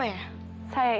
ben aku pegang saya